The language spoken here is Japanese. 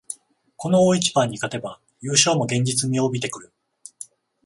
この大一番に勝てば優勝も現実味を帯びてくる